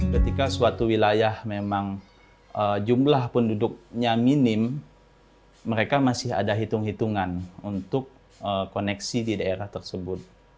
ketika suatu wilayah memang jumlah penduduknya minim mereka masih ada hitung hitungan untuk koneksi di daerah tersebut